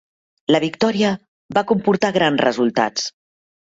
La victòria va comportar grans resultats.